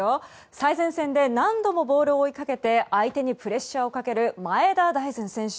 最前線で何度もボールを追いかけて相手にプレッシャーをかける前田大然選手。